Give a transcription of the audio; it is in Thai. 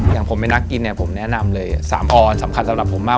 อย่างผมเป็นนักกินเนี่ยผมแนะนำเลย๓ออนสำคัญสำหรับผมมาก